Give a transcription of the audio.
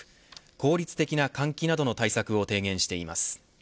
効率的な換気などの対策を提言しています。